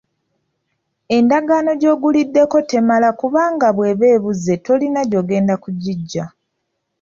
Endagaano gy’oguliddeko temala kubanga bw’eba ebuze tolina gy’ogenda kugiggya.